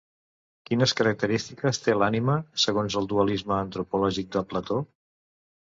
Quines característiques té l'ànima, segons el dualisme antropològic de Plató?